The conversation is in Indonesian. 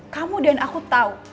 kamu dan aku tau